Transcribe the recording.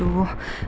nunggu dulu kkk